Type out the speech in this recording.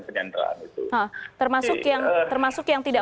kenyantraan itu termasuk yang tidak